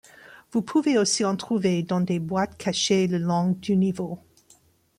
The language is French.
Vous pouvez aussi en trouver dans des boites cachées le long du niveaux.